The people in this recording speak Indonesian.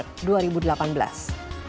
jalan tol baru di jawa tengah